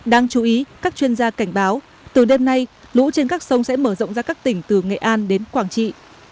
đáng chú ý các chuyên gia cảnh báo từ đêm nay lũ trên các sông sẽ mở rộng ra các tỉnh từ nghệ an đến quảng trị